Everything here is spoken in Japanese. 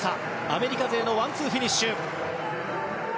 アメリカ勢のワンツーフィニッシュ。